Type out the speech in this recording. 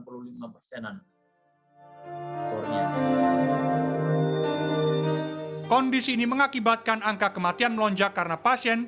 kondisi ini mengakibatkan angka kematian melonjak karena pasien